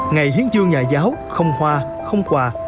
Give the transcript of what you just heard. ngày hiến dương nhà giáo không hoa không quà